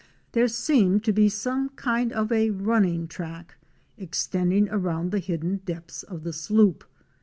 There seemed to be some kind of a running track extending around the hidden depths of the sloop.